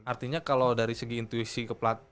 artinya kalau dari segi intuisi ke pelatih